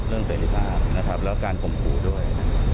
เรื่องเสร็จภาพนะครับแล้วการคมภูมิด้วย